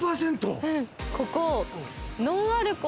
ここ。